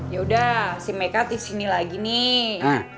ya udah si meika disini lagi nih